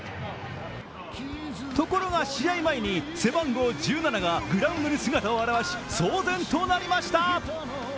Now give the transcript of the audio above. ところが試合前に背番号１７がグラウンドに姿を現し騒然となりました。